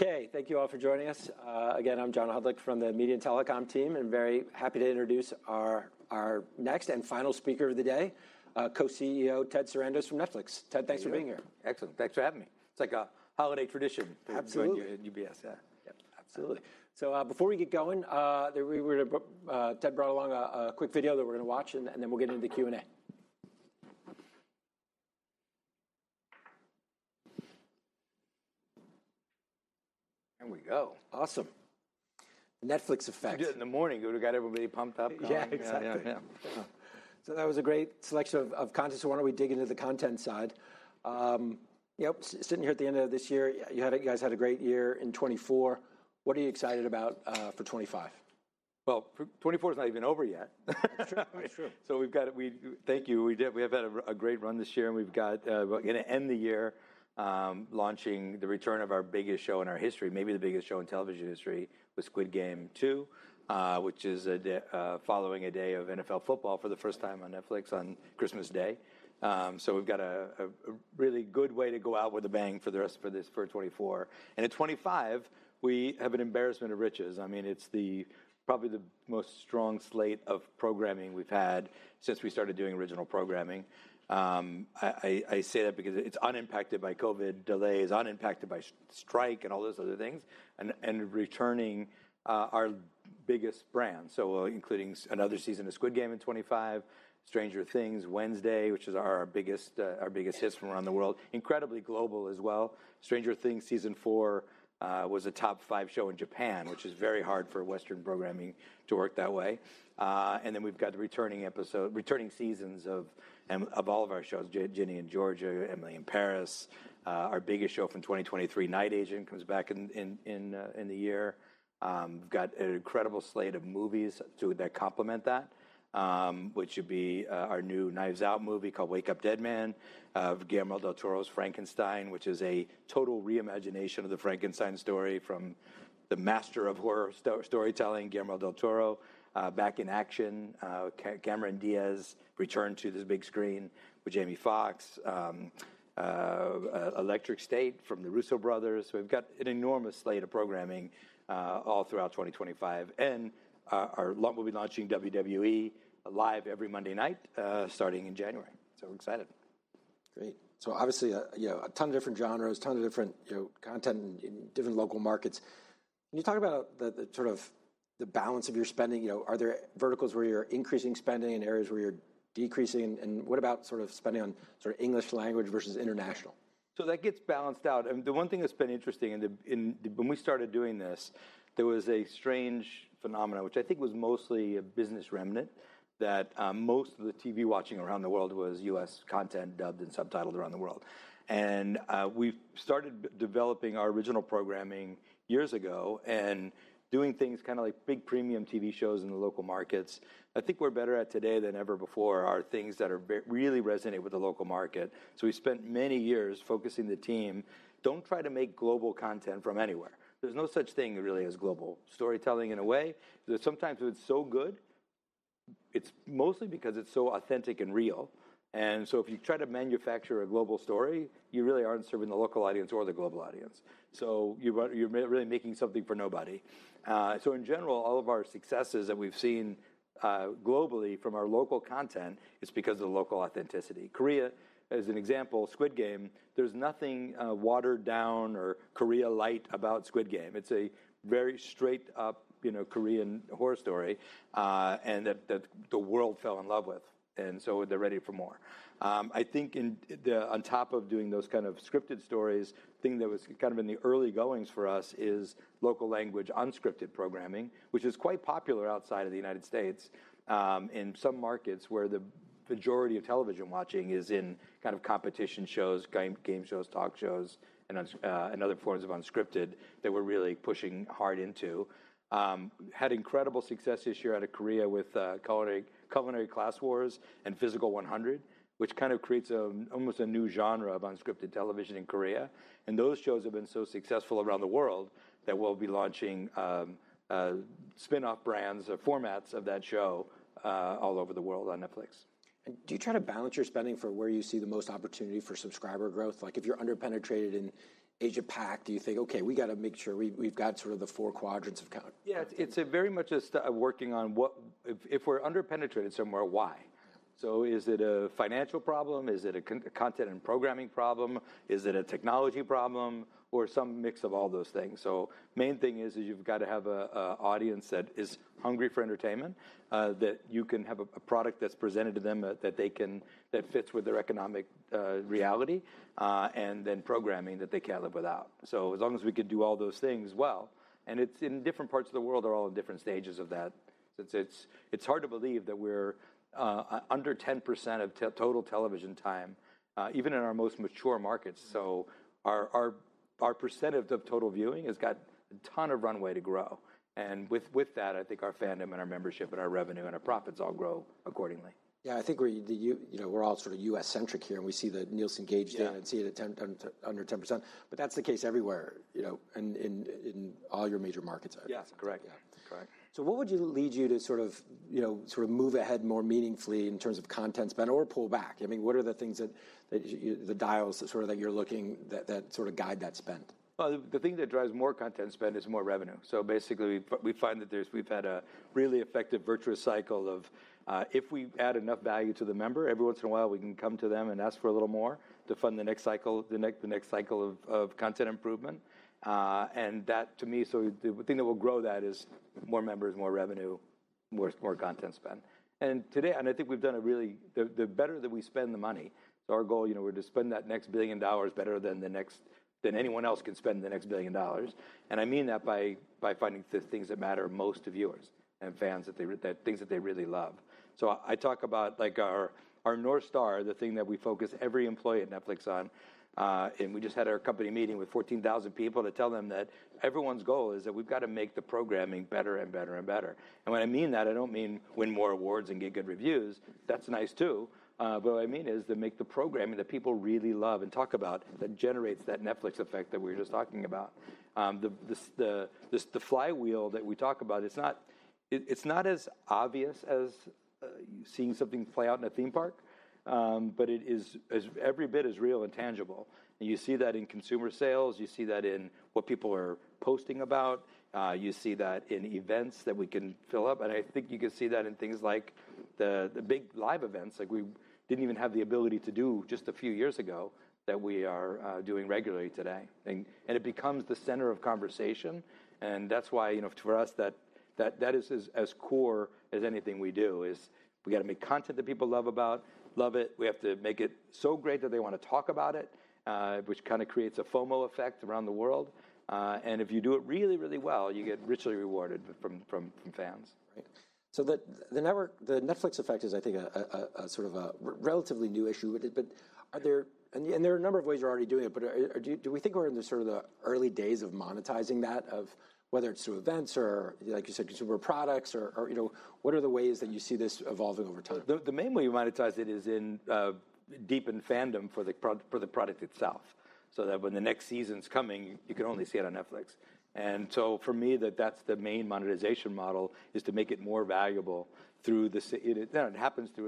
Okay, thank you all for joining us. Again, I'm John Hodulik from the Media and Telecom team, and very happy to introduce our next and final speaker of the day, co-CEO Ted Sarandos from Netflix. Ted, thanks for being here. Excellent. Thanks for having me. It's like a holiday tradition. Absolutely. At UBS, yeah. Absolutely. So before we get going, Ted brought along a quick video that we're going to watch, and then we'll get into the Q&A. Here we go. Awesome. The Netflix Effect. We did it in the morning. We got everybody pumped up. Yeah, exactly. So that was a great selection of content. So why don't we dig into the content side? Sitting here at the end of this year, you guys had a great year in 2024. What are you excited about for 2025? 2024 is not even over yet. That's true. So we've got to thank you. We have had a great run this year, and we're going to end the year launching the return of our biggest show in our history, maybe the biggest show in television history, with Squid Game 2, which is following a day of NFL football for the first time on Netflix on Christmas Day. So we've got a really good way to go out with a bang for the rest of this for 2024. And in 2025, we have an embarrassment of riches. I mean, it's probably the most strong slate of programming we've had since we started doing original programming. I say that because it's unimpacted by COVID delays, unimpacted by strike and all those other things, and returning our biggest brand. So including another season of Squid Game in 2025, Stranger Things, Wednesday, which is our biggest hit from around the world, incredibly global as well. Stranger Things season four was a top five show in Japan, which is very hard for Western programming to work that way. And then we've got the returning seasons of all of our shows, Ginny & Georgia, Emily in Paris, our biggest show from 2023, The Night Agent, comes back in the year. We've got an incredible slate of movies that complement that, which would be our new Knives Out movie called Wake Up Dead Man, of Guillermo del Toro's Frankenstein, which is a total reimagination of the Frankenstein story from the master of horror storytelling, Guillermo del Toro, Back in Action. Cameron Diaz returned to the big screen with Jamie Foxx, The Electric State from the Russo Brothers. So we've got an enormous slate of programming all throughout 2025. And we'll be launching WWE live every Monday night starting in January. So we're excited. Great. So obviously, a ton of different genres, a ton of different content in different local markets. Can you talk about the sort of balance of your spending? Are there verticals where you're increasing spending and areas where you're decreasing? And what about sort of spending on sort of English language versus international? So that gets balanced out. And the one thing that's been interesting, when we started doing this, there was a strange phenomenon, which I think was mostly a business remnant, that most of the TV watching around the world was U.S. content dubbed and subtitled around the world. And we started developing our original programming years ago and doing things kind of like big premium TV shows in the local markets. I think we're better today than ever before at things that really resonate with the local market. So we spent many years focusing the team, don't try to make global content from anywhere. There's no such thing really as global storytelling in a way. Sometimes it's so good, it's mostly because it's so authentic and real. And so if you try to manufacture a global story, you really aren't serving the local audience or the global audience. So you're really making something for nobody. So in general, all of our successes that we've seen globally from our local content is because of the local authenticity. Korea, as an example, Squid Game, there's nothing watered down or Korea-light about Squid Game. It's a very straight-up Korean horror story that the world fell in love with. And so they're ready for more. I think on top of doing those kind of scripted stories, the thing that was kind of in the early goings for us is local language unscripted programming, which is quite popular outside of the United States in some markets where the majority of television watching is in kind of competition shows, game shows, talk shows, and other forms of unscripted that we're really pushing hard into. Had incredible success this year out of Korea with Culinary Class Wars and Physical: 100, which kind of creates almost a new genre of unscripted television in Korea. And those shows have been so successful around the world that we'll be launching spinoff brands or formats of that show all over the world on Netflix. Do you try to balance your spending for where you see the most opportunity for subscriber growth? Like if you're underpenetrated in Asia-Pac, do you think, okay, we got to make sure we've got sort of the four quadrants of content? Yeah, it's very much just working on what if we're underpenetrated somewhere, why? So is it a financial problem? Is it a content and programming problem? Is it a technology problem? Or some mix of all those things. So the main thing is you've got to have an audience that is hungry for entertainment, that you can have a product that's presented to them that fits with their economic reality, and then programming that they can't live without. So as long as we can do all those things well, and it's in different parts of the world are all in different stages of that, since it's hard to believe that we're under 10% of total television time, even in our most mature markets. So our percentage of total viewing has got a ton of runway to grow. With that, I think our fandom and our membership and our revenue and our profits all grow accordingly. Yeah, I think we're all sort of U.S.-centric here, and we see that Nielsen Gauge and see it at under 10%. But that's the case everywhere in all your major markets. Yes, correct. So what would lead you to sort of move ahead more meaningfully in terms of content spend or pull back? I mean, what are the things that the dials sort of that you're looking that sort of guide that spend? The thing that drives more content spend is more revenue. So basically, we find that we've had a really effective virtuous cycle of if we add enough value to the member, every once in a while we can come to them and ask for a little more to fund the next cycle, the next cycle of content improvement. That, to me, is the thing that will grow that: more members, more revenue, more content spend. Today, I think we've done really well at how we spend the money. Our goal is to spend the next $1 billion better than anyone else can spend the next $1 billion. I mean that by finding the things that matter most to viewers and fans, the things that they really love. So I talk about our North Star, the thing that we focus every employee at Netflix on. And we just had our company meeting with 14,000 people to tell them that everyone's goal is that we've got to make the programming better and better and better. And when I mean that, I don't mean win more awards and get good reviews. That's nice too. But what I mean is to make the programming that people really love and talk about that generates that Netflix Effect that we were just talking about. The flywheel that we talk about, it's not as obvious as seeing something play out in a theme park, but it is every bit as real and tangible. And you see that in consumer sales. You see that in what people are posting about. You see that in events that we can fill up. I think you can see that in things like the big live events like we didn't even have the ability to do just a few years ago that we are doing regularly today. It becomes the center of conversation. That's why for us, that is as core as anything we do is we got to make content that people love about, love it. We have to make it so great that they want to talk about it, which kind of creates a FOMO effect around the world. If you do it really, really well, you get richly rewarded from fans. The Netflix Effect is, I think, a sort of relatively new issue. There are a number of ways you're already doing it, but do we think we're in sort of the early days of monetizing that, of whether it's through events or, like you said, consumer products, or what are the ways that you see this evolving over time? The main way we monetize it is in deepened fandom for the product itself so that when the next season's coming, you can only see it on Netflix. And so for me, that's the main monetization model is to make it more valuable through a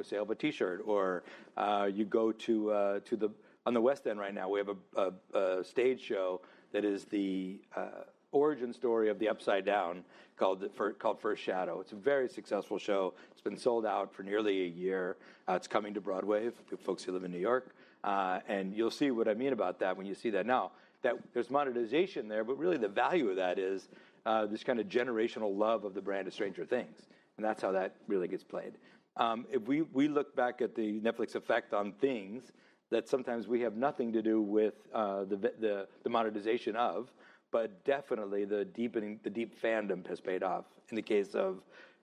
sale of a T-shirt or you go to the West End right now, we have a stage show that is the origin story of the Upside Down called The First Shadow. It's a very successful show. It's been sold out for nearly a year. It's coming to Broadway for folks who live in New York. And you'll see what I mean about that when you see that. Now, there's monetization there, but really the value of that is this kind of generational love of the brand of Stranger Things. And that's how that really gets played. We look back at the Netflix Effect on things that sometimes we have nothing to do with the monetization of, but definitely the deep fandom has paid off. In the case of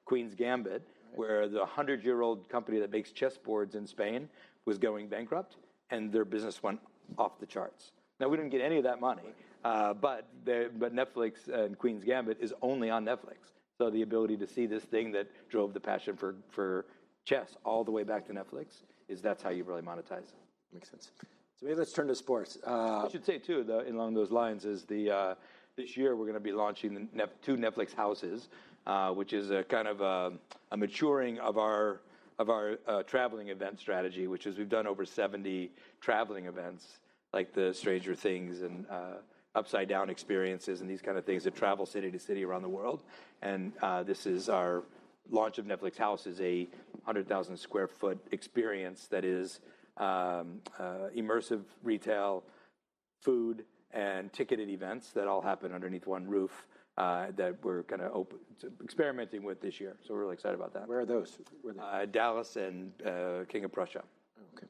Queen's Gambit, where the 100-year-old company that makes chessboards in Spain was going bankrupt and their business went off the charts. Now, we didn't get any of that money, but Netflix and Queen's Gambit is only on Netflix. So the ability to see this thing that drove the passion for chess all the way back to Netflix is that's how you really monetize. Makes sense. So maybe let's turn to sports. I should say too, along those lines, is this year we're going to be launching two Netflix Houses, which is kind of a maturing of our traveling event strategy, which is we've done over 70 traveling events like the Stranger Things and Upside Down experiences and these kind of things that travel city to city around the world, and this is our launch of Netflix Houses, a 100,000 sq ft experience that is immersive retail, food, and ticketed events that all happen underneath one roof that we're kind of experimenting with this year, so we're really excited about that. Where are those? Dallas and King of Prussia. Okay.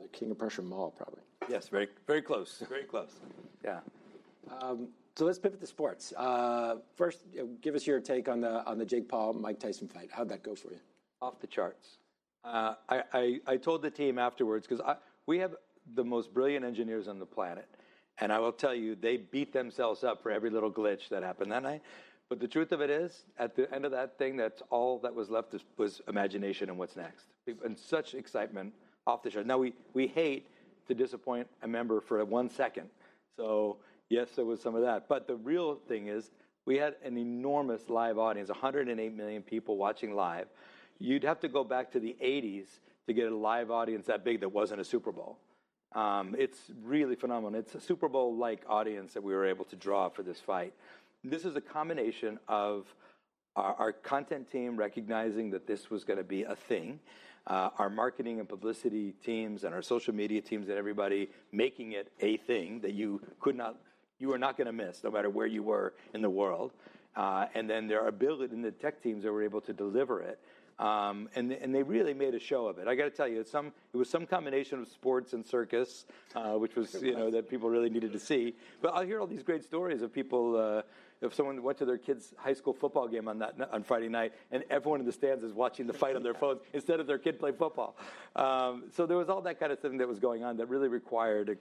The King of Prussia Mall, probably. Yes, very close. Very close. Yeah. So let's pivot to sports. First, give us your take on the Jake Paul, Mike Tyson fight. How'd that go for you? Off the charts. I told the team afterwards because we have the most brilliant engineers on the planet, and I will tell you, they beat themselves up for every little glitch that happened that night, but the truth of it is, at the end of that thing, that's all that was left was imagination and what's next. In such excitement, off the charts. Now, we hate to disappoint a member for one second, so yes, there was some of that, but the real thing is we had an enormous live audience, 108 million people watching live. You'd have to go back to the 1980s to get a live audience that big that wasn't a Super Bowl. It's really phenomenal. It's a Super Bowl-like audience that we were able to draw for this fight. This is a combination of our content team recognizing that this was going to be a thing, our marketing and publicity teams and our social media teams and everybody making it a thing that you were not going to miss no matter where you were in the world, and then the tech teams that were able to deliver it, and they really made a show of it. I got to tell you, it was some combination of sports and circus, which was that people really needed to see, but I hear all these great stories of people, if someone went to their kid's high school football game on Friday night and everyone in the stands is watching the fight on their phones instead of their kid playing football. So there was all that kind of thing that was going on that really required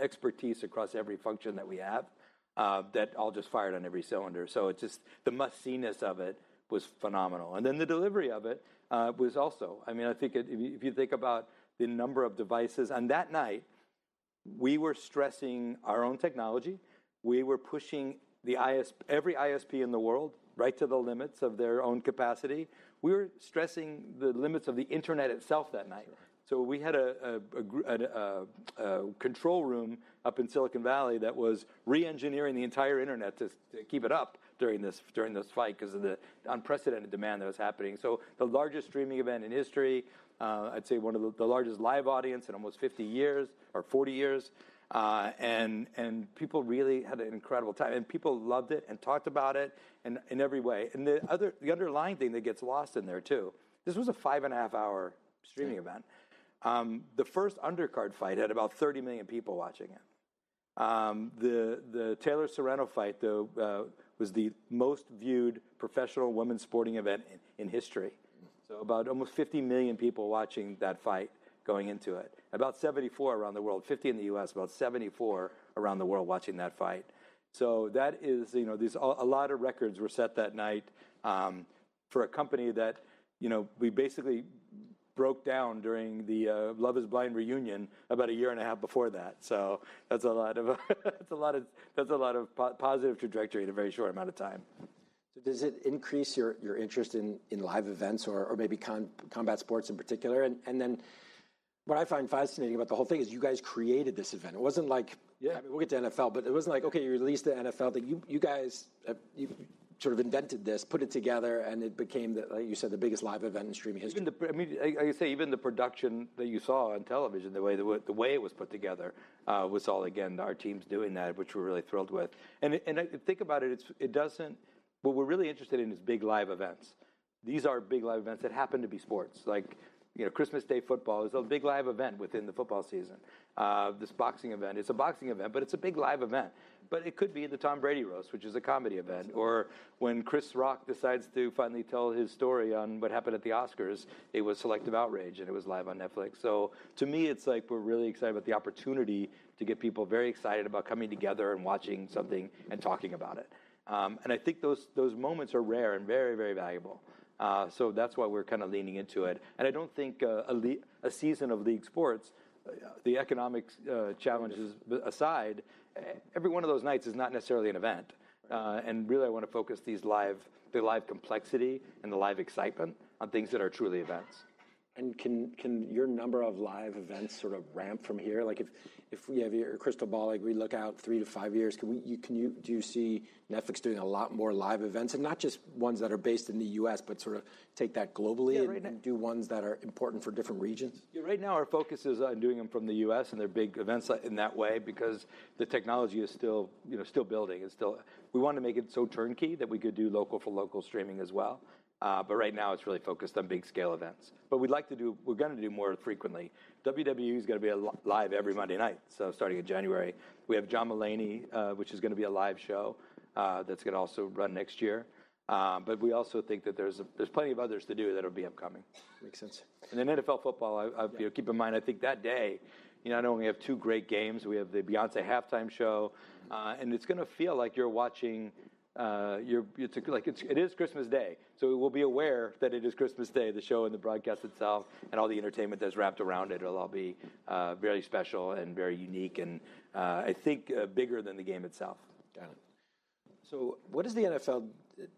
expertise across every function that we have that all just fired on every cylinder. So it's just the must-seeness of it was phenomenal. And then the delivery of it was also, I mean, I think if you think about the number of devices on that night, we were stressing our own technology. We were pushing every ISP in the world right to the limits of their own capacity. We were stressing the limits of the internet itself that night. So we had a control room up in Silicon Valley that was re-engineering the entire internet to keep it up during this fight because of the unprecedented demand that was happening. So the largest streaming event in history, I'd say one of the largest live audience in almost 50 years or 40 years. People really had an incredible time. People loved it and talked about it in every way. The underlying thing that gets lost in there too is this was a five-and-a-half-hour streaming event. The first undercard fight had about 30 million people watching it. The Taylor-Serrano fight, though, was the most viewed professional women's sporting event in history. About almost 50 million people watching that fight going into it. About 74 million around the world, 50 million in the U.S., about 74 million around the world watching that fight. That is a lot. A lot of records were set that night for a company that we basically broke down during the Love Is Blind reunion about a year and a half before that. That's a lot of positive trajectory in a very short amount of time. So does it increase your interest in live events or maybe combat sports in particular? And then what I find fascinating about the whole thing is you guys created this event. It wasn't like, I mean, we'll get to NFL, but it wasn't like, okay, you released the NFL thing. You guys sort of invented this, put it together, and it became, like you said, the biggest live event in streaming history. I mean, I say even the production that you saw on television, the way it was put together was all, again, our teams doing that, which we're really thrilled with, and think about it, what we're really interested in is big live events. These are big live events that happen to be sports. Like Christmas Day football is a big live event within the football season. This boxing event, it's a boxing event, but it's a big live event, but it could be the Tom Brady roast, which is a comedy event, or when Chris Rock decides to finally tell his story on what happened at the Oscars, it was Selective Outrage and it was live on Netflix, so to me, it's like we're really excited about the opportunity to get people very excited about coming together and watching something and talking about it. I think those moments are rare and very, very valuable. That's why we're kind of leaning into it. I don't think a season of league sports, the economic challenges aside, every one of those nights is not necessarily an event. Really, I want to focus the live complexity and the live excitement on things that are truly events. Can your number of live events sort of ramp from here? Like if you have your crystal ball, like we look out three to five years, do you see Netflix doing a lot more live events and not just ones that are based in the U.S., but sort of take that globally and do ones that are important for different regions? Right now, our focus is on doing them from the U.S. and there big events in that way because the technology is still building. We want to make it so turnkey that we could do local for local streaming as well. But right now, it's really focused on big scale events. But we'd like to do, we're going to do more frequently. WWE is going to be live every Monday night, so starting in January. We have John Mulaney, which is going to be a live show that's going to also run next year. But we also think that there's plenty of others to do that will be upcoming. Makes sense. And then NFL football, keep in mind, I think that day, not only have two great games, we have the Beyoncé halftime show. And it's going to feel like you're watching, like it is Christmas Day. So we'll be aware that it is Christmas Day, the show and the broadcast itself and all the entertainment that's wrapped around it will all be very special and very unique and I think bigger than the game itself. Got it. So what does the NFL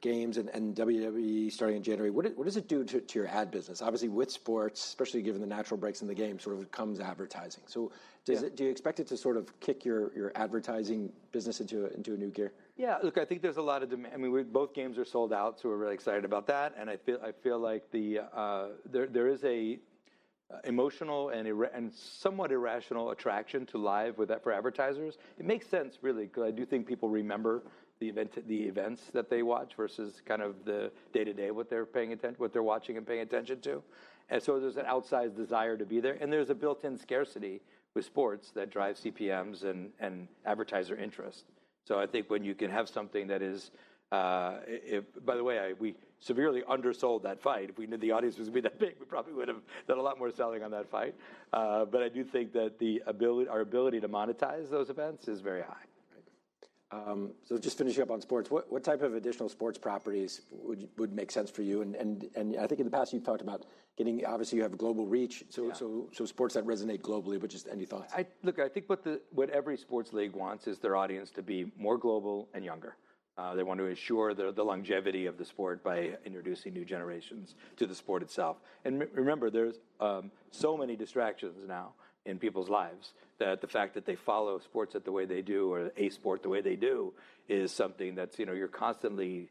games and WWE starting in January, what does it do to your ad business? Obviously, with sports, especially given the natural breaks in the game, sort of comes advertising. So do you expect it to sort of kick your advertising business into a new gear? Yeah. Look, I think there's a lot of demand. I mean, both games are sold out, so we're really excited about that. And I feel like there is an emotional and somewhat irrational attraction to live for advertisers. It makes sense really because I do think people remember the events that they watch versus kind of the day-to-day what they're paying attention, what they're watching and paying attention to. And so there's an outsized desire to be there. And there's a built-in scarcity with sports that drives CPMs and advertiser interest. So I think when you can have something that is, by the way, we severely undersold that fight. If we knew the audience was going to be that big, we probably would have done a lot more selling on that fight. But I do think that our ability to monetize those events is very high. So just finishing up on sports, what type of additional sports properties would make sense for you? And I think in the past you've talked about getting, obviously, you have global reach. So sports that resonate globally, but just any thoughts? Look, I think what every sports league wants is their audience to be more global and younger. They want to ensure the longevity of the sport by introducing new generations to the sport itself. And remember, there's so many distractions now in people's lives that the fact that they follow sports the way they do or a sport the way they do is something that you're constantly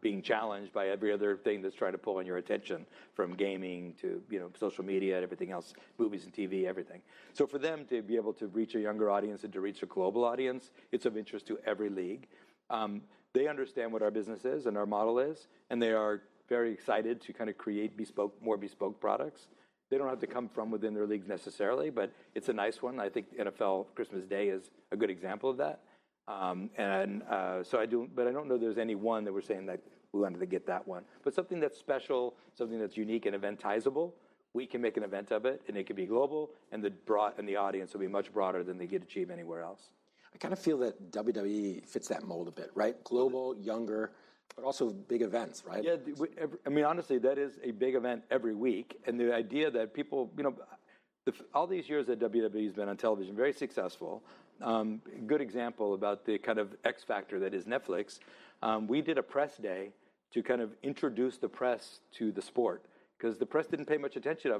being challenged by every other thing that's trying to pull on your attention from gaming to social media and everything else, movies and TV, everything. So for them to be able to reach a younger audience and to reach a global audience, it's of interest to every league. They understand what our business is and our model is, and they are very excited to kind of create more bespoke products. They don't have to come from within their leagues necessarily, but it's a nice one. I think NFL Christmas Day is a good example of that. And so I don't, but I don't know there's any one that we're saying that we wanted to get that one. But something that's special, something that's unique and eventizable, we can make an event of it and it can be global and the audience will be much broader than they get achieved anywhere else. I kind of feel that WWE fits that mold a bit, right? Global, younger, but also big events, right? Yeah. I mean, honestly, that is a big event every week, and the idea that people, all these years that WWE has been on television, very successful, good example about the kind of X factor that is Netflix. We did a press day to kind of introduce the press to the sport because the press didn't pay much attention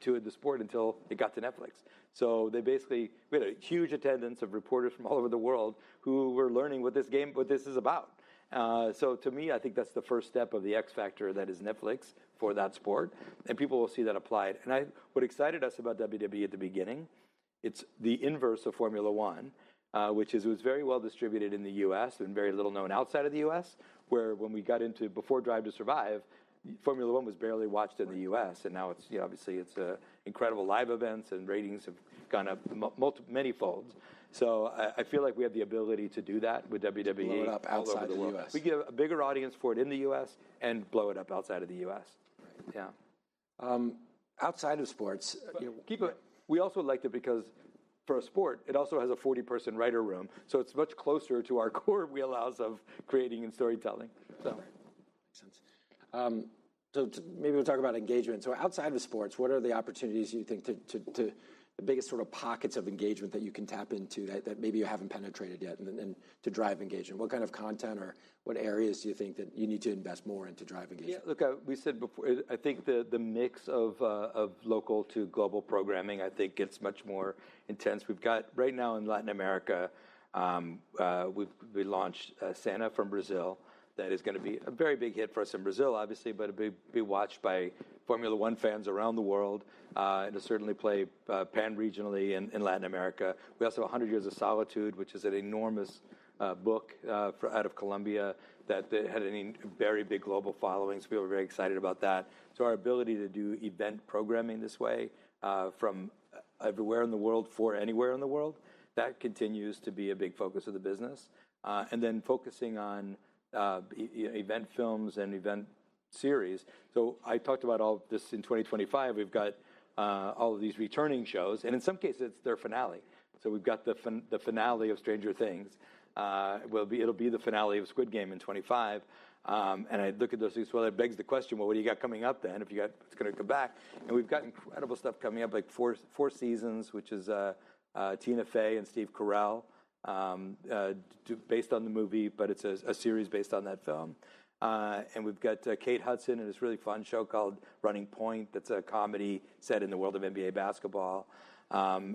to the sport until it got to Netflix, so basically we had a huge attendance of reporters from all over the world who were learning what this game is about, so to me, I think that's the first step of the X factor that is Netflix for that sport, and people will see that applied. And what excited us about WWE at the beginning, it's the inverse of Formula One, which is it was very well distributed in the U.S. and very little known outside of the U.S., whereas when we got into before Drive to Survive, Formula One was barely watched in the U.S. And now obviously it's incredible, live events and ratings have gone up manyfold. So I feel like we have the ability to do that with WWE. Blow it up outside of the U.S. We get a bigger audience for it in the U.S. and blow it up outside of the U.S. Yeah. Outside of sports. We also like it because for a sport, it also has a 40-person writer room, so it's much closer to our core wheelhouse of creating and storytelling. Makes sense. So maybe we'll talk about engagement. So outside of sports, what are the opportunities you think to the biggest sort of pockets of engagement that you can tap into that maybe you haven't penetrated yet and to drive engagement? What kind of content or what areas do you think that you need to invest more into driving engagement? Yeah. Look, we said before, I think the mix of local to global programming, I think gets much more intense. We've got right now in Latin America, we launched Senna from Brazil that is going to be a very big hit for us in Brazil, obviously, but it'll be watched by Formula One fans around the world. It'll certainly play pan-regionally in Latin America. We also have One Hundred Years of Solitude, which is an enormous book out of Colombia that had a very big global following. We were very excited about that. So our ability to do event programming this way from everywhere in the world for anywhere in the world, that continues to be a big focus of the business, and then focusing on event films and event series, so I talked about all this in 2025. We've got all of these returning shows. And in some cases, it's their finale. So we've got the finale of Stranger Things. It'll be the finale of Squid Game in 2025. And I look at those things, well, it begs the question, well, what do you got coming up then if you're going to come back? And we've got incredible stuff coming up, like The Four Seasons, which is Tina Fey and Steve Carell based on the movie, but it's a series based on that film. And we've got Kate Hudson and this really fun show called Running Point. That's a comedy set in the world of NBA basketball. And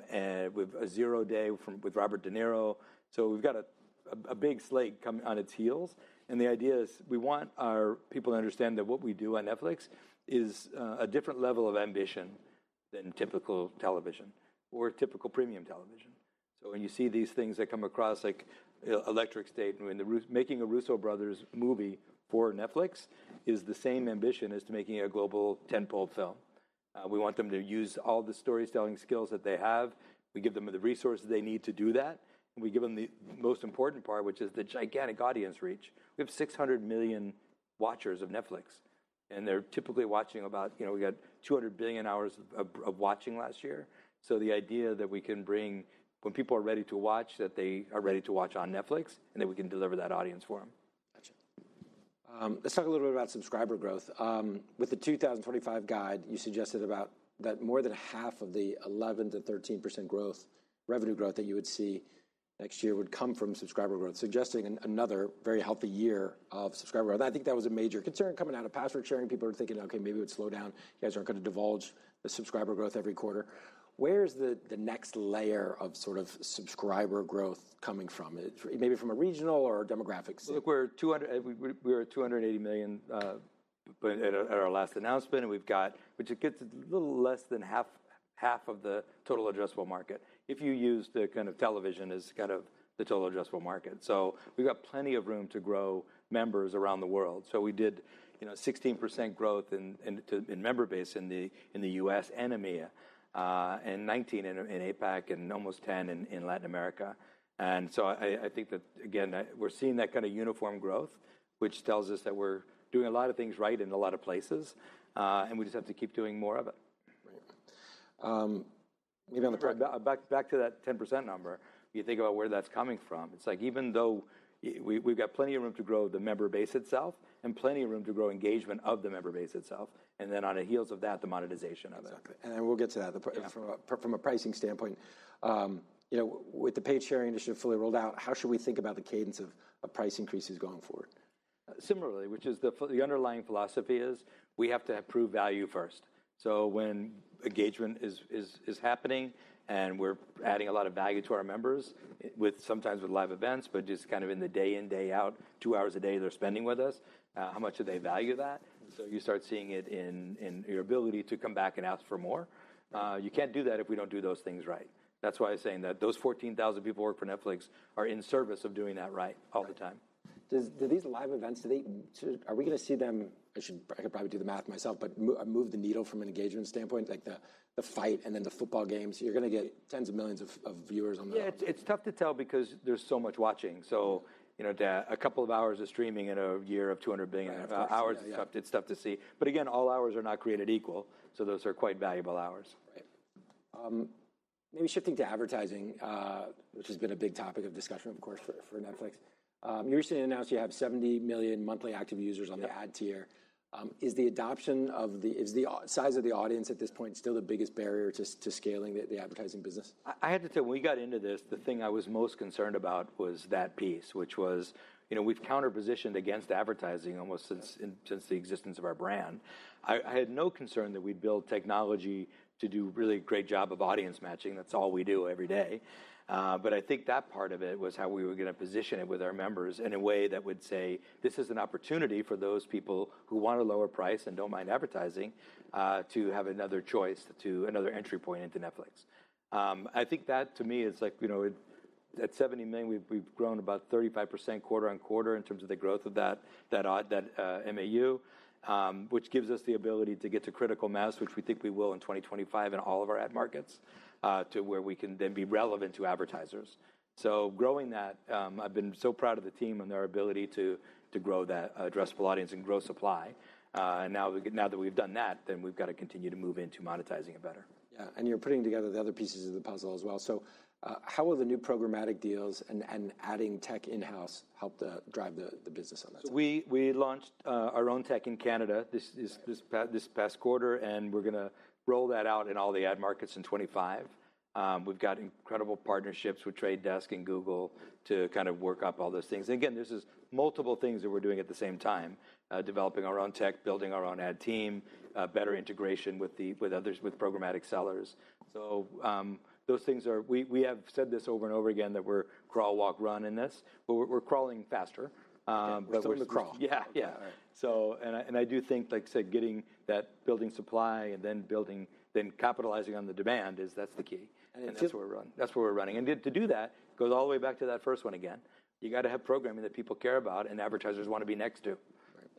we have a Zero Day with Robert De Niro. So we've got a big slate on its heels. And the idea is we want our people to understand that what we do on Netflix is a different level of ambition than typical television or typical premium television. So when you see these things that come across like The Electric State and making a Russo Brothers movie for Netflix is the same ambition as making a global tentpole film. We want them to use all the storytelling skills that they have. We give them the resources they need to do that. And we give them the most important part, which is the gigantic audience reach. We have 600 million watchers of Netflix. And they're typically watching about. We got 200 billion hours of watching last year. So the idea that we can bring when people are ready to watch, that they are ready to watch on Netflix and that we can deliver that audience for them. Gotcha. Let's talk a little bit about subscriber growth. With the 2025 guide, you suggested about that more than half of the 11%-13% revenue growth that you would see next year would come from subscriber growth, suggesting another very healthy year of subscriber growth. I think that was a major concern coming out of password sharing. People are thinking, okay, maybe it would slow down. You guys aren't going to divulge the subscriber growth every quarter. Where's the next layer of sort of subscriber growth coming from? Maybe from a regional or demographic scale. Look, we're at 280 million at our last announcement. And we've got, which gets a little less than half of the total addressable market. If you use the kind of television as kind of the total addressable market. So we've got plenty of room to grow members around the world. So we did 16% growth in member base in the US and EMEA and 19% in APAC and almost 10% in Latin America. And so I think that, again, we're seeing that kind of uniform growth, which tells us that we're doing a lot of things right in a lot of places. And we just have to keep doing more of it. Right. Maybe on the. Back to that 10% number, you think about where that's coming from. It's like even though we've got plenty of room to grow the member base itself and plenty of room to grow engagement of the member base itself. And then on the heels of that, the monetization of it. Exactly. And we'll get to that. From a pricing standpoint, with the paid sharing initiative fully rolled out, how should we think about the cadence of price increases going forward? Similarly, which is the underlying philosophy, we have to prove value first. So when engagement is happening and we're adding a lot of value to our members with sometimes live events, but just kind of in the day in, day out, two hours a day they're spending with us, how much do they value that? So you start seeing it in your ability to come back and ask for more. You can't do that if we don't do those things right. That's why I'm saying that those 14,000 people who work for Netflix are in service of doing that right all the time. Do these live events, are we going to see them, I should probably do the math myself, but move the needle from an engagement standpoint, like the fight and then the football games? You're going to get tens of millions of viewers on the. Yeah, it's tough to tell because there's so much watching. So a couple of hours of streaming in a year of 200 billion hours is tough to see. But again, all hours are not created equal. So those are quite valuable hours. Right. Maybe shifting to advertising, which has been a big topic of discussion, of course, for Netflix. You recently announced you have 70 million monthly active users on the ad tier. Is the size of the audience at this point still the biggest barrier to scaling the advertising business? I had to tell you, when we got into this, the thing I was most concerned about was that piece, which was we've counterpositioned against advertising almost since the existence of our brand. I had no concern that we'd build technology to do a really great job of audience matching. That's all we do every day. But I think that part of it was how we were going to position it with our members in a way that would say, this is an opportunity for those people who want a lower price and don't mind advertising to have another choice to another entry point into Netflix. I think that to me is like at 70 million. We've grown about 35% quarter on quarter in terms of the growth of that MAU, which gives us the ability to get to critical mass, which we think we will in 2025 in all of our ad markets to where we can then be relevant to advertisers. So growing that, I've been so proud of the team and their ability to grow that addressable audience and grow supply. And now that we've done that, then we've got to continue to move into monetizing it better. Yeah. And you're putting together the other pieces of the puzzle as well. So how will the new programmatic deals and adding tech in-house help drive the business on that? So we launched our own tech in Canada this past quarter, and we're going to roll that out in all the ad markets in 2025. We've got incredible partnerships with Trade Desk and Google to kind of work up all those things. And again, this is multiple things that we're doing at the same time, developing our own tech, building our own ad team, better integration with others, with programmatic sellers. So those things are, we have said this over and over again that we're crawl, walk, run in this, but we're crawling faster. But we're in the crawl. Yeah. And I do think, like I said, getting that building supply and then capitalizing on the demand. That's the key. That's where we're running. And to do that, it goes all the way back to that first one again. You got to have programming that people care about and advertisers want to be next to.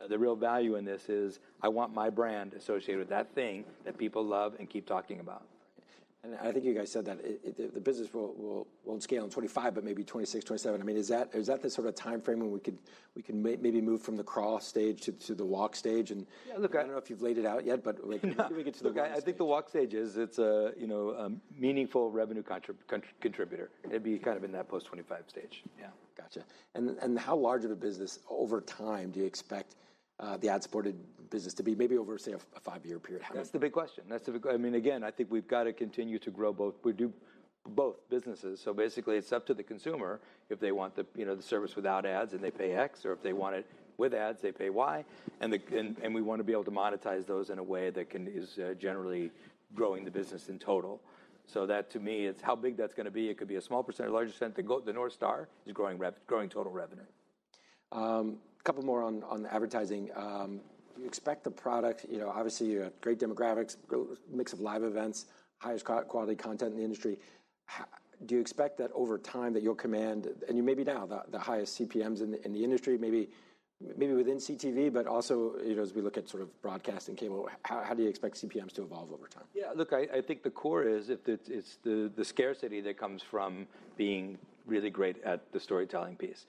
The real value in this is I want my brand associated with that thing that people love and keep talking about. I think you guys said that the business will scale in 2025, but maybe 2026, 2027. I mean, is that the sort of time frame when we could maybe move from the crawl stage to the walk stage? I don't know if you've laid it out yet, but can we get to the walk? I think the ad stage is, it's a meaningful revenue contributor. It'd be kind of in that post-2025 stage. Yeah. Gotcha. And how large of a business over time do you expect the ad-supported business to be? Maybe over, say, a five-year period. That's the big question. I mean, again, I think we've got to continue to grow both businesses. So basically, it's up to the consumer if they want the service without ads and they pay X, or if they want it with ads, they pay Y. And we want to be able to monetize those in a way that is generally growing the business in total. So that to me, it's how big that's going to be. It could be a small percentage, a larger percentage. The North Star is growing total revenue. A couple more on advertising. Do you expect the product, obviously you have great demographics, mix of live events, highest quality content in the industry. Do you expect that over time that you'll command, and you may be now the highest CPMs in the industry, maybe within CTV, but also as we look at sort of broadcast and cable, how do you expect CPMs to evolve over time? Yeah. Look, I think the core is the scarcity that comes from being really great at the storytelling piece.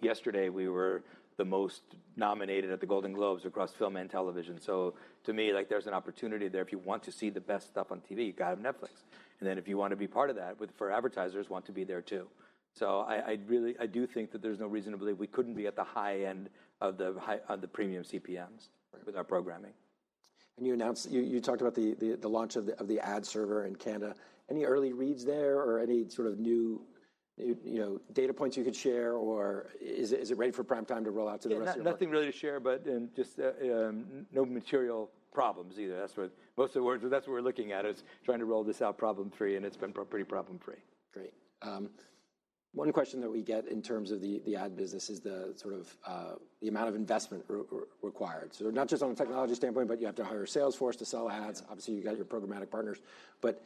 Yesterday, we were the most nominated at the Golden Globes across film and television. So to me, there's an opportunity there. If you want to see the best stuff on TV, you got to have Netflix. And then if you want to be part of that, for advertisers want to be there too. So I do think that there's no reason to believe we couldn't be at the high end of the premium CPMs with our programming. You talked about the launch of the ad server in Canada. Any early reads there or any sort of new data points you could share? Or is it ready for prime time to roll out to the rest of the world? Nothing really to share, but just no material problems either. That's what most of the world says, but that's what we're looking at is trying to roll this out problem-free, and it's been pretty problem-free. Great. One question that we get in terms of the ad business is the sort of amount of investment required. So not just on a technology standpoint, but you have to hire Salesforce to sell ads. Obviously, you've got your programmatic partners. But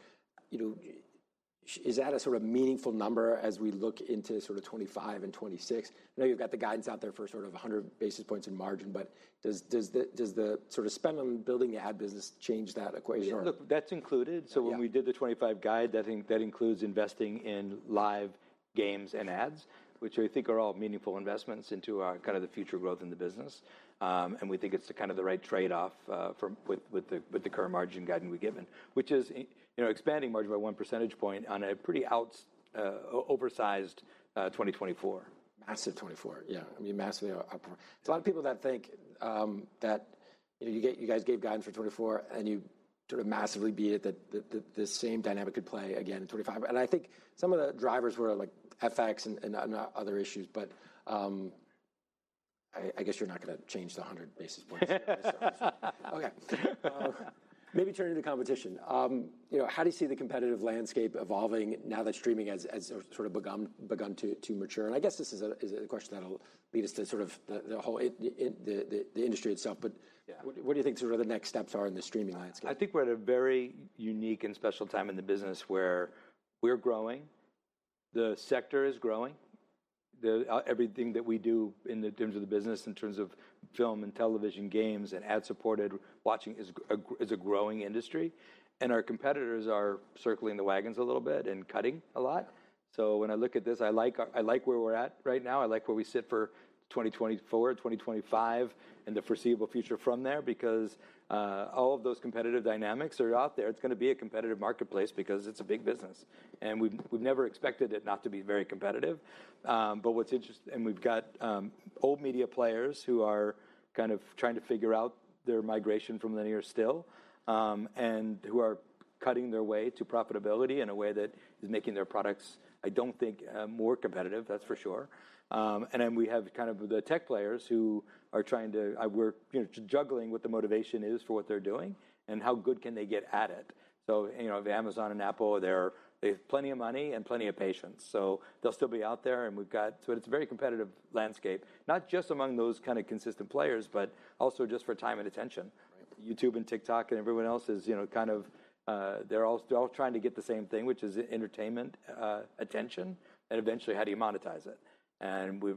is that a sort of meaningful number as we look into sort of 2025 and 2026? I know you've got the guidance out there for sort of 100 basis points in margin, but does the sort of spend on building the ad business change that equation? Look, that's included. So when we did the 2025 guide, that includes investing in live games and ads, which I think are all meaningful investments into kind of the future growth in the business. And we think it's kind of the right trade-off with the current margin guidance we've given, which is expanding margin by one percentage point on a pretty oversized 2024. Massive 2024. Yeah. I mean, massively up. There's a lot of people that think that you guys gave guidance for 2024 and you sort of massively beat it, that the same dynamic could play again in 2025, and I think some of the drivers were like FX and other issues, but I guess you're not going to change the 100 basis points. Okay. Maybe turn to the competition. How do you see the competitive landscape evolving now that streaming has sort of begun to mature? And I guess this is a question that'll lead us to sort of the industry itself, but what do you think sort of the next steps are in the streaming landscape? I think we're at a very unique and special time in the business where we're growing. The sector is growing. Everything that we do in terms of the business, in terms of film and television, games and ad-supported watching is a growing industry, and our competitors are circling the wagons a little bit and cutting a lot, so when I look at this, I like where we're at right now. I like where we sit for 2024, 2025, and the foreseeable future from there because all of those competitive dynamics are out there. It's going to be a competitive marketplace because it's a big business, and we've never expected it not to be very competitive. But what's interesting, and we've got old media players who are kind of trying to figure out their migration from linear still and who are cutting their way to profitability in a way that is making their products, I don't think, more competitive, that's for sure. And then we have kind of the tech players who are trying to, we're juggling what the motivation is for what they're doing and how good can they get at it. So Amazon and Apple, they have plenty of money and plenty of patience. So they'll still be out there. And we've got, so it's a very competitive landscape, not just among those kind of consistent players, but also just for time and attention. YouTube and TikTok and everyone else is kind of, they're all trying to get the same thing, which is entertainment attention. And eventually, how do you monetize it? And we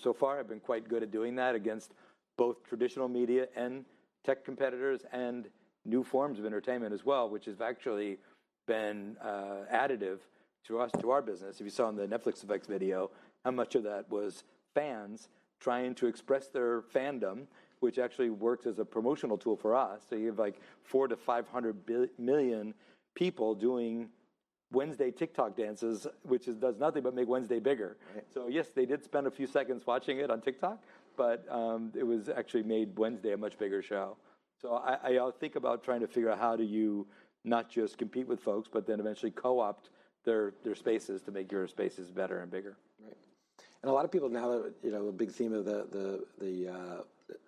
so far have been quite good at doing that against both traditional media and tech competitors and new forms of entertainment as well, which has actually been additive to our business. If you saw in the Netflix [sizzle] video, how much of that was fans trying to express their fandom, which actually works as a promotional tool for us. So you have like 400-500 million people doing Wednesday TikTok dances, which does nothing but make Wednesday bigger. So yes, they did spend a few seconds watching it on TikTok, but it was actually made Wednesday a much bigger show. So I think about trying to figure out how do you not just compete with folks, but then eventually co-opt their spaces to make your spaces better and bigger. Right. And a lot of people now, a big theme of the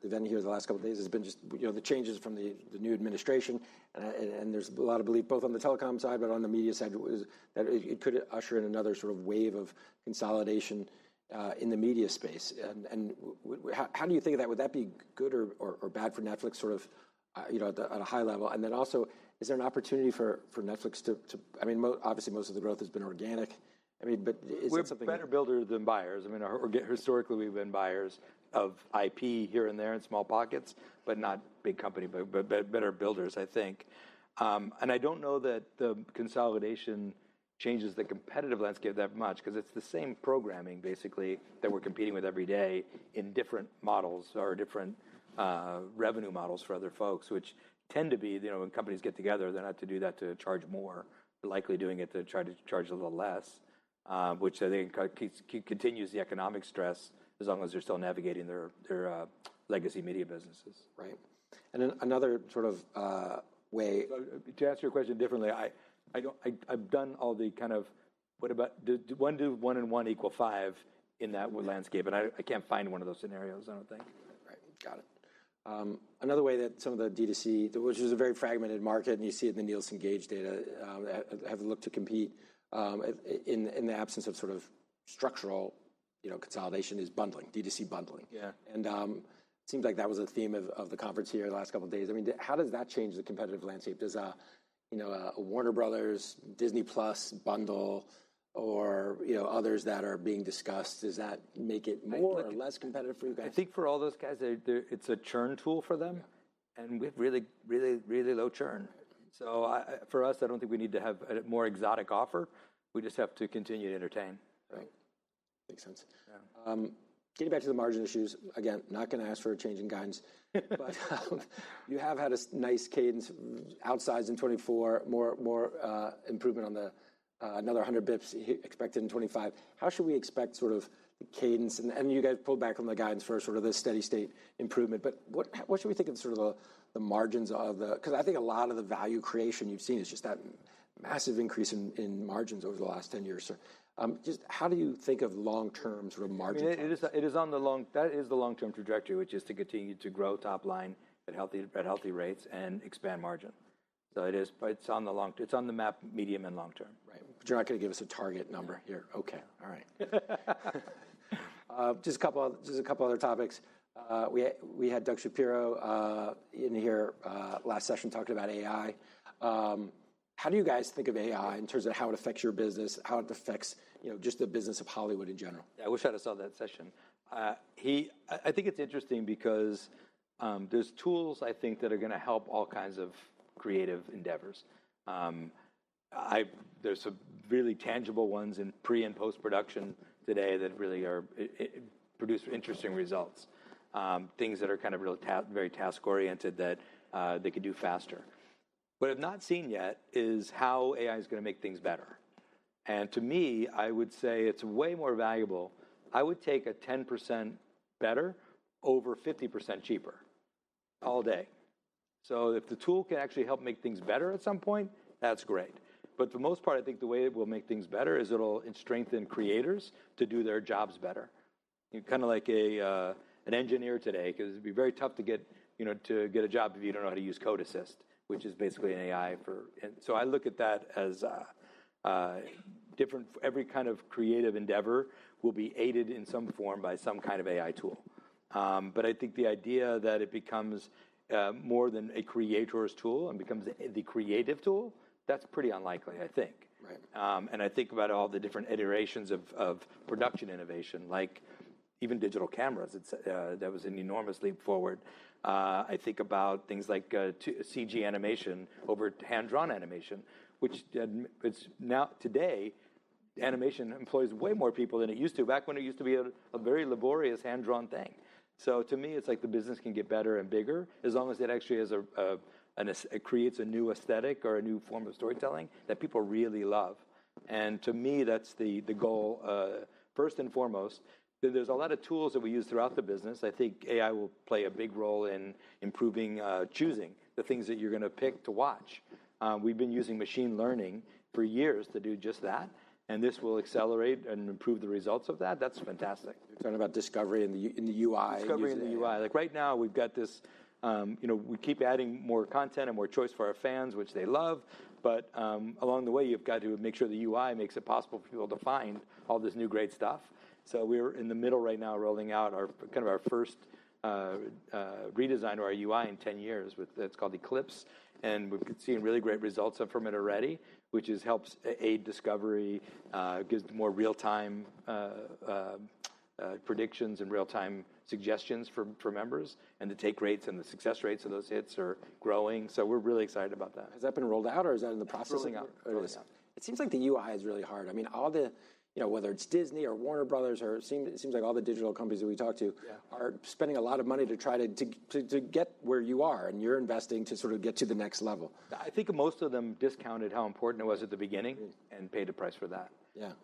event here the last couple of days has been just the changes from the new administration. And there's a lot of belief both on the telecom side, but on the media side, that it could usher in another sort of wave of consolidation in the media space. And how do you think of that? Would that be good or bad for Netflix sort of at a high level? And then also, is there an opportunity for Netflix to, I mean, obviously most of the growth has been organic. I mean, but is it something? We're a better builder than buyers. I mean, historically, we've been buyers of IP here and there in small pockets, but not big company, but better builders, I think, and I don't know that the consolidation changes the competitive landscape that much because it's the same programming basically that we're competing with every day in different models or different revenue models for other folks, which tend to be, when companies get together, they're not to do that to charge more. They're likely doing it to try to charge a little less, which I think continues the economic stress as long as they're still navigating their legacy media businesses. Right. And another sort of way. To answer your question differently, I've done all the kind of what about one plus one equals five in that landscape, and I can't find one of those scenarios. I don't think. Right. Got it. Another way that some of the DTC, which is a very fragmented market, and you see it in the Nielsen Gauge data, have looked to compete in the absence of sort of structural consolidation is bundling, DTC bundling. And it seemed like that was a theme of the conference here the last couple of days. I mean, how does that change the competitive landscape? Does a Warner Bros., Disney+ bundle or others that are being discussed, does that make it more or less competitive for you guys? I think for all those guys, it's a churn tool for them. And we have really, really, really low churn. So for us, I don't think we need to have a more exotic offer. We just have to continue to entertain. Right. Makes sense. Getting back to the margin issues, again, not going to ask for a change in guidance, but you have had a nice, outsized cadence in 2024, more improvement, and another 100 basis points expected in 2025. How should we expect sort of the cadence? And you guys pulled back from the guidance for sort of the steady state improvement, but what should we think of sort of the margins going forward, because I think a lot of the value creation you've seen is just that massive increase in margins over the last 10 years. Just how do you think of long-term sort of margin? It is on the long, that is the long-term trajectory, which is to continue to grow top line at healthy rates and expand margin. So it's on the long, it's on the plan, medium and long-term. Right. But you're not going to give us a target number here. Okay. All right. Just a couple other topics. We had Doug Shapiro in here last session talking about AI. How do you guys think of AI in terms of how it affects your business, how it affects just the business of Hollywood in general? I wish I had saw that session. I think it's interesting because there's tools, I think, that are going to help all kinds of creative endeavors. There's some really tangible ones in pre and post-production today that really produce interesting results, things that are kind of really very task-oriented that they could do faster. What I've not seen yet is how AI is going to make things better, and to me, I would say it's way more valuable. I would take a 10% better over 50% cheaper all day, so if the tool can actually help make things better at some point, that's great, but for the most part, I think the way it will make things better is it'll strengthen creators to do their jobs better. Kind of like an engineer today, because it'd be very tough to get a job if you don't know how to use Code Assist, which is basically an AI for, so I look at that as different. Every kind of creative endeavor will be aided in some form by some kind of AI tool. But I think the idea that it becomes more than a creator's tool and becomes the creative tool, that's pretty unlikely, I think. I think about all the different iterations of production innovation, like even digital cameras, that was an enormous leap forward. I think about things like CG animation over hand-drawn animation, which today animation employs way more people than it used to. Back when it used to be a very laborious hand-drawn thing. So, to me, it's like the business can get better and bigger as long as it actually creates a new aesthetic or a new form of storytelling that people really love. And to me, that's the goal. First and foremost, there's a lot of tools that we use throughout the business. I think AI will play a big role in improving choosing the things that you're going to pick to watch. We've been using machine learning for years to do just that. And this will accelerate and improve the results of that. That's fantastic. You're talking about discovery in the UI. Discovery in the UI. Like right now, we've got this, we keep adding more content and more choice for our fans, which they love. But along the way, you've got to make sure the UI makes it possible for people to find all this new great stuff. So we're in the middle right now rolling out kind of our first redesign of our UI in 10 years. It's called Eclipse. And we've seen really great results from it already, which helps aid discovery, gives more real-time predictions and real-time suggestions for members. And the take rates and the success rates of those hits are growing. So we're really excited about that. Has that been rolled out or is that in the process? It seems like the UI is really hard. I mean, whether it's Disney or Warner Bros. or it seems like all the digital companies that we talk to are spending a lot of money to try to get where you are, and you're investing to sort of get to the next level. I think most of them discounted how important it was at the beginning and paid a price for that.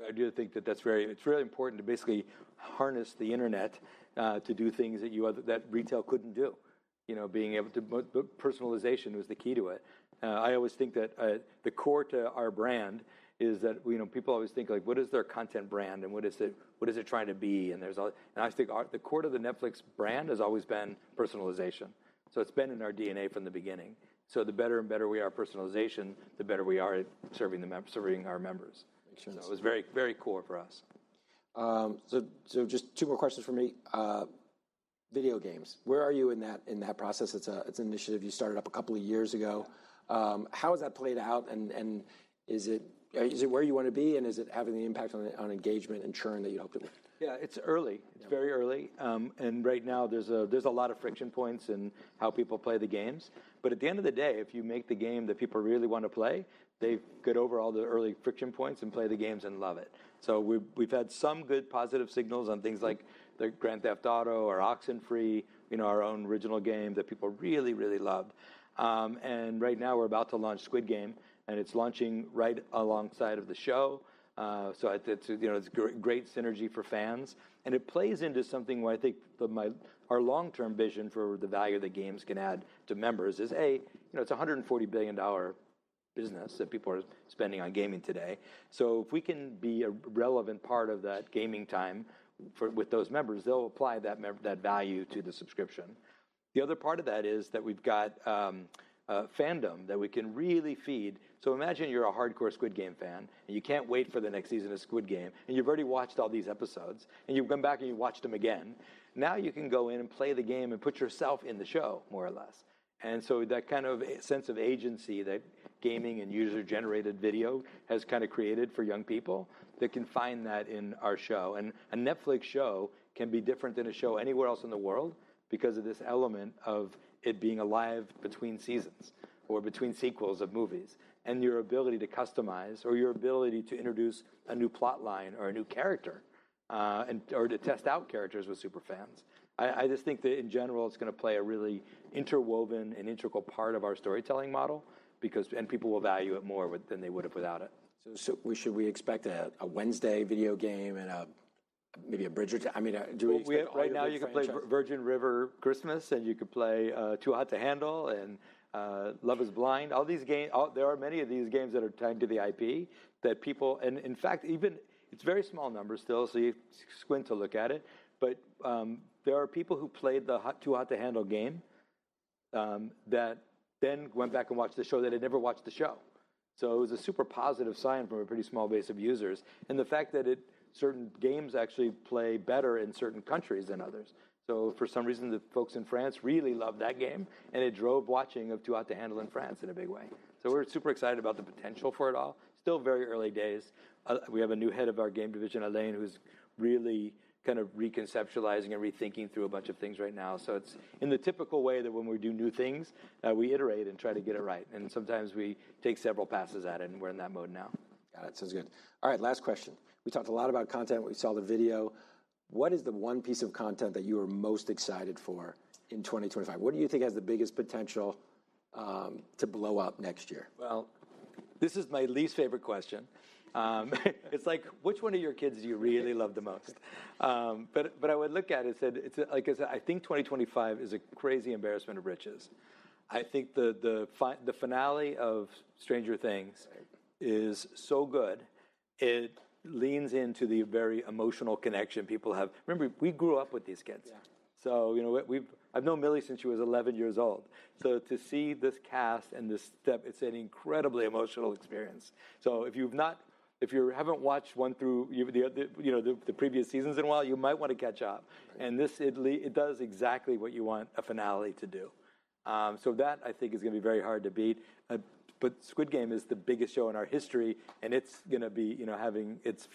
I do think that that's very. It's really important to basically harness the internet to do things that retail couldn't do. Being able to, but personalization was the key to it. I always think that the core to our brand is that people always think like, what is their content brand and what is it trying to be? I think the core to the Netflix brand has always been personalization. So it's been in our DNA from the beginning. So the better and better we are at personalization, the better we are at serving our members. So it was very core for us. So just two more questions for me. Video games. Where are you in that process? It's an initiative you started up a couple of years ago. How has that played out? And is it where you want to be? And is it having the impact on engagement and churn that you hope to? Yeah, it's early. It's very early, and right now, there's a lot of friction points in how people play the games, but at the end of the day, if you make the game that people really want to play, they get over all the early friction points and play the games and love it, so we've had some good positive signals on things like the Grand Theft Auto or Oxenfree, our own original game that people really, really loved, and right now, we're about to launch Squid Game, and it's launching right alongside of the show, so it's a great synergy for fans, and it plays into something where I think our long-term vision for the value that games can add to members is, A, it's a $140 billion business that people are spending on gaming today. So if we can be a relevant part of that gaming time with those members, they'll apply that value to the subscription. The other part of that is that we've got fandom that we can really feed. So imagine you're a hardcore Squid Game fan and you can't wait for the next season of Squid Game. And you've already watched all these episodes. And you've gone back and you watched them again. Now you can go in and play the game and put yourself in the show, more or less. And so that kind of sense of agency that gaming and user-generated video has kind of created for young people, they can find that in our show. And a Netflix show can be different than a show anywhere else in the world because of this element of it being alive between seasons or between sequels of movies. Your ability to customize or your ability to introduce a new plot line or a new character or to test out characters with super fans. I just think that in general, it's going to play a really interwoven and integral part of our storytelling model because people will value it more than they would have without it. So should we expect a Wednesday video game and maybe a Bridgerton? I mean, do we expect a Bridgerton? Right now, you can play Virgin River Christmas and you can play Too Hot to Handle and Love Is Blind. All these games, there are many of these games that are tied to the IP that people, and in fact, even it's very small numbers still, so you squint to look at it, but there are people who played the Too Hot to Handle game that then went back and watched the show that had never watched the show. So it was a super positive sign from a pretty small base of users, and the fact that certain games actually play better in certain countries than others, so for some reason, the folks in France really loved that game, and it drove watching of Too Hot to Handle in France in a big way, so we're super excited about the potential for it all. Still very early days. We have a new head of our game division, Alain, who's really kind of reconceptualizing and rethinking through a bunch of things right now. So it's in the typical way that when we do new things, we iterate and try to get it right. And sometimes we take several passes at it and we're in that mode now. Got it. Sounds good. All right, last question. We talked a lot about content. We saw the video. What is the one piece of content that you are most excited for in 2025? What do you think has the biggest potential to blow up next year? This is my least favorite question. It's like, which one of your kids do you really love the most? I would look at it and say, like I said, I think 2025 is a crazy embarrassment of riches. I think the finale of Stranger Things is so good. It leans into the very emotional connection people have. Remember, we grew up with these kids. I've known Millie since she was 11 years old. To see this cast and this step, it's an incredibly emotional experience. If you haven't watched one through the previous seasons in a while, you might want to catch up. It does exactly what you want a finale to do. That, I think, is going to be very hard to beat. Squid Game is the biggest show in our history. It's going to be having its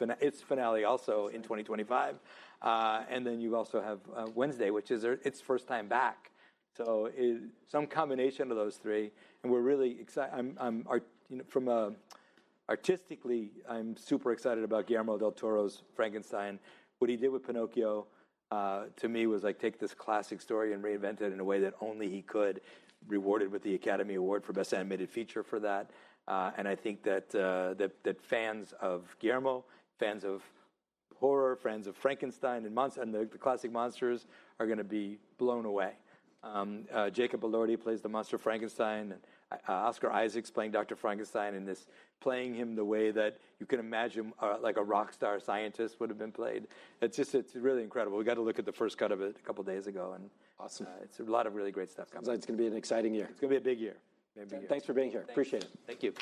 finale also in 2025. Then you also have Wednesday, which is its first time back. So some combination of those three. And we're really excited. From an artistic standpoint, I'm super excited about Guillermo del Toro's Frankenstein. What he did with Pinocchio, to me, was like take this classic story and reinvent it in a way that only he could, rewarded with the Academy Award for Best Animated Feature for that. And I think that fans of Guillermo, fans of horror, fans of Frankenstein and the classic monsters are going to be blown away. Jacob Elordi plays the monster Frankenstein. Oscar Isaac playing Dr. Frankenstein and this playing him the way that you can imagine like a rock star scientist would have been played. It's just really incredible. We got to look at the first cut of it a couple of days ago. It's a lot of really great stuff coming. Sounds like it's going to be an exciting year. It's going to be a big year. Thanks for being here. Appreciate it. Thank you.